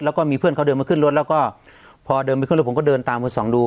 แล้วก็มีเพื่อนเขาเดินมาขึ้นรถแล้วก็พอเดินไปขึ้นรถผมก็เดินตามมาส่องดู